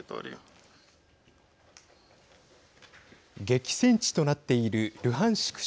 激戦地となっているルハンシク